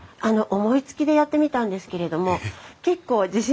思いつきでやってみたんですけれども結構自信作なんです。